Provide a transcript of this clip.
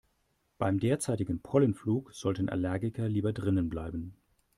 Beim derzeitigen Pollenflug sollten Allergiker lieber drinnen bleiben.